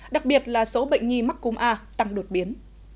đặc biệt là số bệnh nhi mắc cung a tăng đột biến